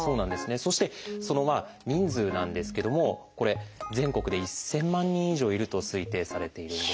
そしてその人数なんですけどもこれ全国で１，０００万人以上いると推定されているんです。